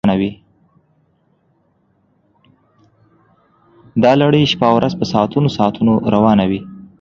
دا لړۍ شپه ورځ په ساعتونو ساعتونو روانه وي